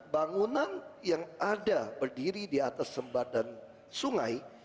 bangunan yang ada berdiri di atas sembar dan sungai